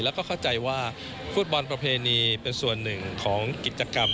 แล้วก็เข้าใจว่าฟุตบอลประเพณีเป็นส่วนหนึ่งของกิจกรรม